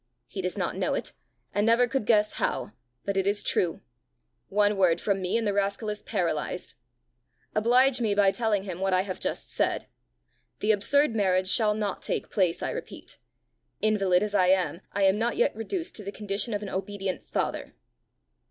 He does not know it, and never could guess how; but it is true: one word from me, and the rascal is paralysed! Oblige me by telling him what I have just said. The absurd marriage shall not take place, I repeat. Invalid as I am, I am not yet reduced to the condition of an obedient father."